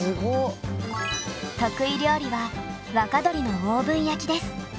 得意料理は若鶏のオーブン焼きです。